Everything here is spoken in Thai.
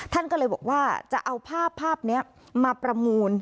ท่านก็เลยบอกว่าจะเอาภาพภาพนี้มาประมูล